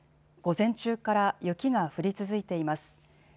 午前中から雪が降り続いています。